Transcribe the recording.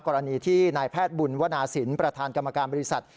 กรณีที่นายแพทย์บุญวนาศิลป์ประธานกรรมการบริษัท